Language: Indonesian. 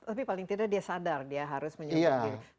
tapi paling tidak dia sadar dia harus menyentuh diri